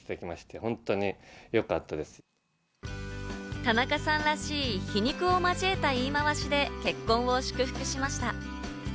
田中さんらしい皮肉を交えた言い回しで結婚を祝福しました。